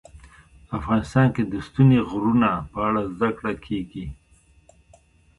افغانستان کې د ستوني غرونه په اړه زده کړه کېږي.